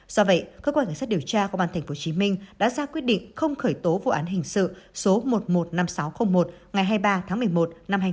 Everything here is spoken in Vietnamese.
do vậy cơ quan cảnh sát điều tra công an tp hcm đã ra quyết định không khởi tố vụ án hình sự số một trăm một mươi năm nghìn sáu trăm linh một ngày hai mươi ba tháng một mươi một năm hai nghìn một mươi